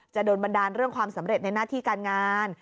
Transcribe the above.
โดนบันดาลเรื่องความสำเร็จในหน้าที่การงาน